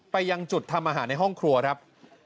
ยังจุดทำอาหารในห้องครัวครับ